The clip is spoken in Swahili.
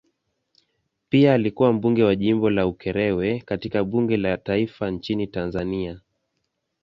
Pia alikuwa mbunge wa jimbo la Ukerewe katika bunge la taifa nchini Tanzania.